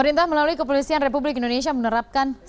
nanti anggota saya akan membagikan